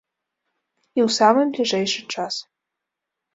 І ў самы бліжэйшы час.